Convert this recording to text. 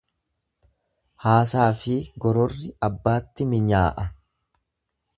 Haasaafi gororri abbaatti minyaa'a.